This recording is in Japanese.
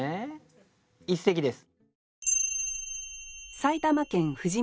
一席です。